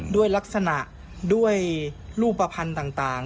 ด้วยลักษณะด้วยรูปภัณฑ์ต่าง